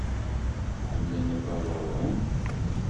Ḥemmlen akk aẓawan?